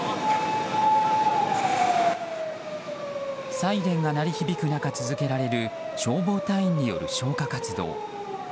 サイレンが鳴り響く中続けられる消防隊員による消火活動。